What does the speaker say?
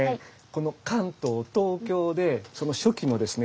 この関東東京でその初期のですね